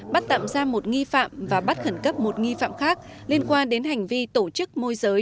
bắt tạm ra một nghi phạm và bắt khẩn cấp một nghi phạm khác liên quan đến hành vi tổ chức môi giới